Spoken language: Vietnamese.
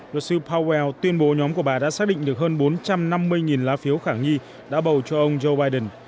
luật sư powell tuyên bố nhóm của bà đã xác định được hơn bốn trăm năm mươi lá phiếu khả nghi đã bầu cho ông joe biden